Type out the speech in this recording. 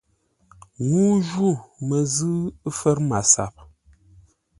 Ŋuu ju məzʉ̂ fə̌r MASAP.